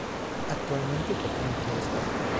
Actualmente pertence a esta.